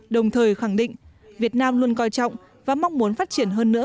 đồng thời khẳng định việt nam luôn coi trọng và mong muốn phát triển hơn nữa